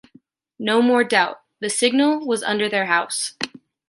No more doubt, the signal was under their house.